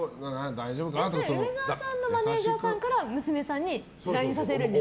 梅沢さんのマネジャーさんから娘さんにＬＩＮＥさせるんですか？